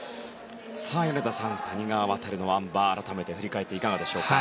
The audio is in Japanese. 米田さん、谷川航のあん馬改めて振り返っていかがでしょうか？